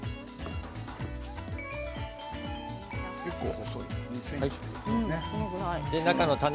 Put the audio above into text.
結構、細いね。